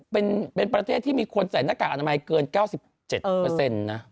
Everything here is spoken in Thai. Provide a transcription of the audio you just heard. เป็นประเทศที่มีคนใส่หน้ากากอนามัยเกิน๙๗นะ